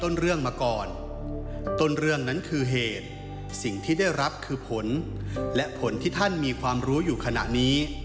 และผลที่ท่านมีความรู้อยู่ขณะนี้